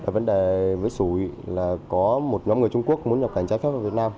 vấn đề với xu là có một nhóm người trung quốc muốn nhập cảnh trái phép vào việt nam